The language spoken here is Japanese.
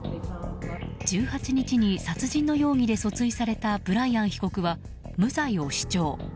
１８日に殺人の容疑で訴追されたブライアン被告は無罪を主張。